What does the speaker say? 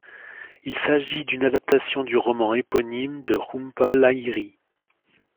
Il s'agit d'une adaptation du roman éponyme de Jhumpa Lahiri.